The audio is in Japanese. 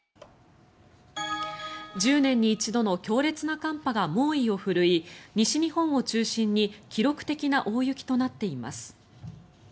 １０年に一度の強烈な寒波が猛威を振るい西日本を中心に記録的な大雪となっています。